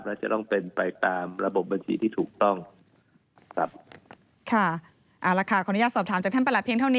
และจะต้องเป็นไปตามระบบบัญชีต้อดทรัพย์